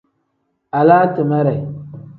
Alaa timere.